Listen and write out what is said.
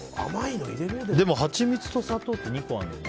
でもハチミツと砂糖って２個あるよ。